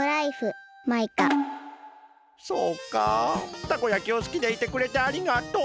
そうかたこ焼きをすきでいてくれてありがとう。